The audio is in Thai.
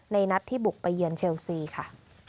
นัดที่บุกไปเยือนเชลซีค่ะ